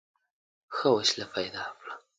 ښه وسیله پیدا کړه.